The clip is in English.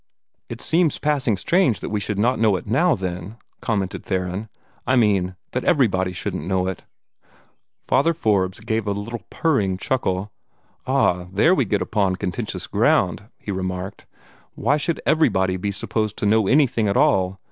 "It seems passing strange that we should not know it now, then," commented Theron; "I mean, that everybody shouldn't know it." Father Forbes gave a little purring chuckle. "Ah, there we get upon contentious ground," he remarked. "Why should 'everybody' be supposed to know anything at all?